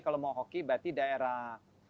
kalau mau hoki berarti daerah